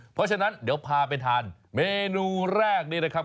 เพราะฉะนั้นเดี๋ยวพาไปทานเมนูแรกนี้นะครับ